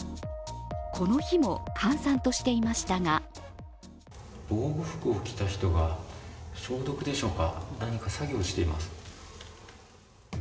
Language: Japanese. この日も閑散としていましたが防護服を着た人が消毒でしょうか、何か作業をしています。